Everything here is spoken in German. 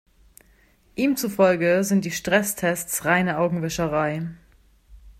Ihm zufolge sind die Stresstests reine Augenwischerei.